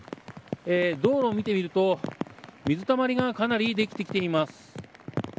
道路を見てみると水たまりがかなりできています。